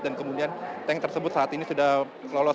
dan kemudian tank tersebut saat ini sudah selolos